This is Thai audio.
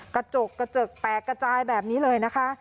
กระจกแตกกระจายแบบนี้เลยนะคะ